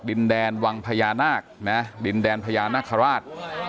ดินแดนวังพญานาคนะดินแดนพญานาคาราช